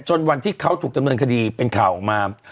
วันที่เขาถูกดำเนินคดีเป็นข่าวออกมา